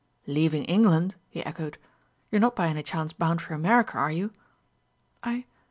"Leaving England?" he echoed. "You're not by any chance bound for America, are you?" "I